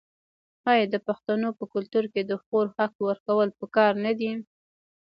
آیا د پښتنو په کلتور کې د خور حق ورکول پکار نه دي؟